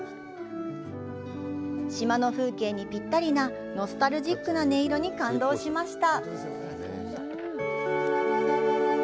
島の風景にぴったりなノスタルジックな音色に感動しました。